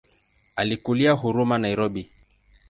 Alikulia Huruma Nairobi.